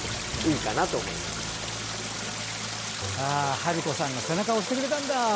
春子さんが背中を押してくれたんだ。